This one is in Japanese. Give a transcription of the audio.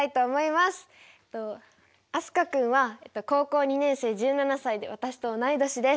飛鳥君は高校２年生１７歳で私と同い年です。